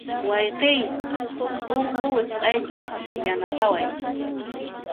Wayqiy, punku wisq'ayta yanapaway.